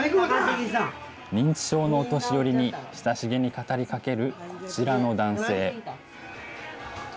認知症のお年寄りに親しげに語りかけるこちらの男性。